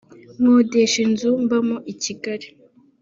nkodesha inzu mbamo i Kigali